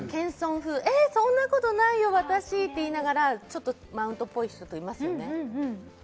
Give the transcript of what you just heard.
そんなことないよ、私と言いながらマウントっぽい人って言いますよね。